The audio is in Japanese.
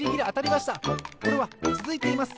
これはつづいています！